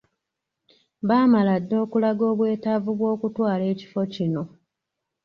Baamala dda okulaga obwetaavu bw’okutwala ekifo kino.